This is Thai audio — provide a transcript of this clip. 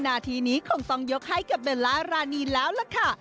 นาทีนี้คงต้องยกให้กับเบลล่ารานีแล้วล่ะค่ะ